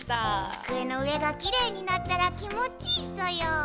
机の上がきれいになったら気もちいいソヨ。